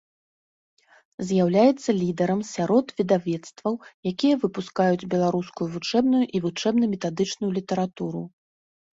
З'яўляецца лідарам сярод выдавецтваў, якія выпускаюць беларускую вучэбную і вучэбна-метадычную літаратуру.